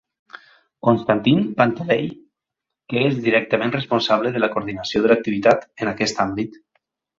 Constantin Panteley, que és directament responsable de la coordinació de l'activitat en aquest àmbit.